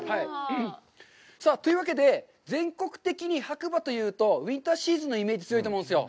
さあ、というわけで、全国的に白馬というと、ウインターシーズンのイメージがあると思うんですよ。